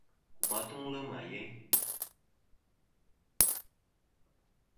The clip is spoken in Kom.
Kum atuŋlɨ ma yeyn.